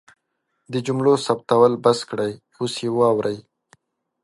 د جملو ثبتول بس کړئ اوس یې واورئ